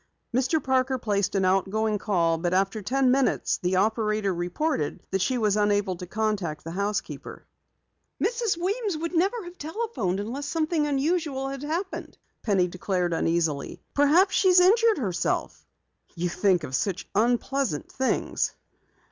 Mr. Parker placed an out going call, but after ten minutes the operator reported that she was unable to contact the housekeeper. "Mrs. Weems never would have telephoned if something unusual hadn't happened," Penny declared uneasily. "Perhaps, she's injured herself." "You think of such unpleasant things."